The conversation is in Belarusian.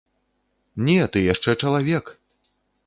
Не, ты яшчэ чалавек!